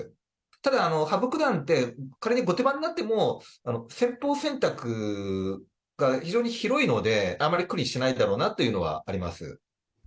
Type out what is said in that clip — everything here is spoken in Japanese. ただ羽生九段って、仮に後手番になっても、戦法選択が非常に広いので、あまり苦にしないだろうなというのはあります。